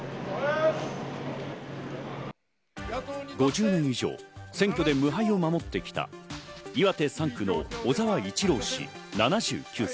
５０年以上、選挙で無敗を誇ってきた岩手３区の小沢一郎氏、７９歳。